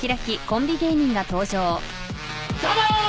どうも！